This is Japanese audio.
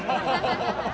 ハハハハ！